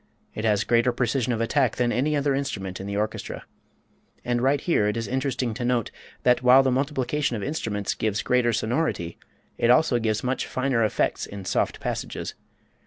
It has greater precision of attack than any other instrument in the orchestra. And right here it is interesting to note that while the multiplication of instruments gives greater sonority, it also gives much finer effects in soft passages.